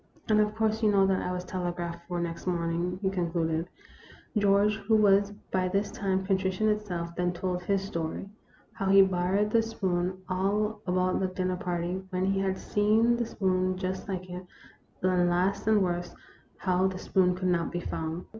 " And, of course, you know that I was telegraphed for next morning," he concluded. George, who was by this time contrition itself, then told his story. How he borrowed the spoon ; all about the dinner party ; when he had seen the spoons just like it ; and last and worst, how the spoon could not be found.